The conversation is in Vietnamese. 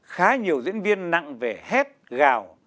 khá nhiều diễn viên nặng vẻ hét gào